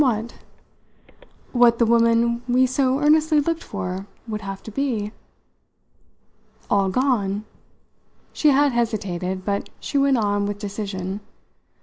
"What the woman we so earnestly looked for would have to be." "All gone?" She had hesitated, but she went on with decision.